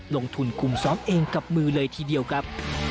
ลงทุนคุมซ้อมเองกับมือเลยทีเดียวครับ